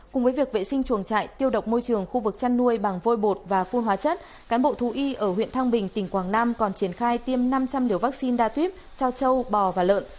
cùng với việc vệ sinh chuồng trại tiêu độc môi trường khu vực chăn nuôi bằng vôi bột và phun hóa chất cán bộ thú y ở huyện thang bình tỉnh quảng nam còn triển khai tiêm năm trăm linh liều vaccine đa tuyết cho châu bò và lợn